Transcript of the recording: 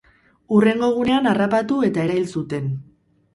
Hurrengo egunean harrapatu eta erail zuten.